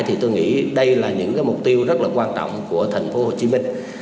thì tôi nghĩ đây là những mục tiêu rất là quan trọng của tp hcm